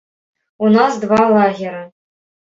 У нас два лагеры.